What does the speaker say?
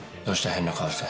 変な顔して。